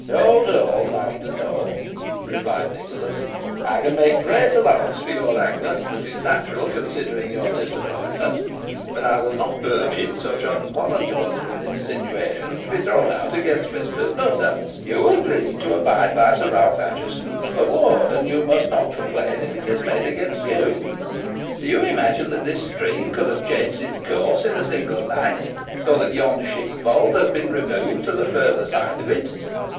"Hold, hold, Master Nowell!" rejoined Nicholas; "I can make great allowance for your anger, which is natural considering your disappointment, but I will not permit such unwarrantable insinuations to be thrown out against Mistress Nutter. You agreed to abide by Sir Ralph Assheton's award, and you must not complain if it be made against you. Do you imagine that this stream can have changed its course in a single night; or that yon sheepfold has been removed to the further side of it?"